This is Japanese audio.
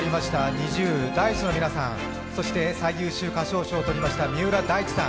ＮｉｚｉＵ、Ｄａ−ｉＣＥの皆さん、そして最優秀歌唱賞を取りました三浦大知さん。